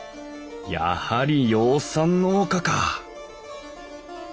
やはり養蚕農家か！